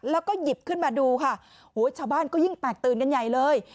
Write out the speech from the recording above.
แล้วก็หยิบขึ้นมาดูค่ะชาวบ้านก็ยิ่งแตกตื่นกันใหญ่เลย